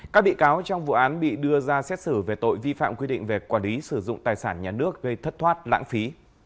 các bị cáo trong vụ án bị đưa ra xét xử về tội vi phạm quy định về quản lý sử dụng tài sản nhà nước gây thất thoát lãng phí